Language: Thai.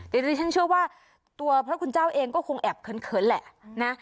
เดี๋ยวนี้ฉันเชื่อว่าตัวพระคุณเจ้าเองก็คงแอบเขินแหละนะ